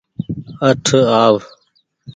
اٺ آو